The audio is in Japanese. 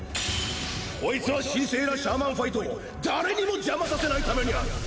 こいつは神聖なシャーマンファイトを誰にも邪魔させないためにある。